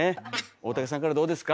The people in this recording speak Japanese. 大竹さんからどうですか？